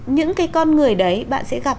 những cái con người đấy bạn sẽ gặp